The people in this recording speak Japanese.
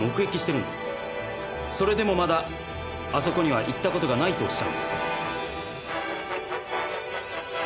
それでもまだあそこには行ったことがないとおっしゃるんですか？